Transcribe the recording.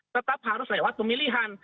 tetap harus lewat pemilihan